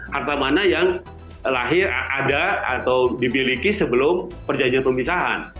harta mana yang lahir ada atau dibiliki sebelum perjanjian pemisahan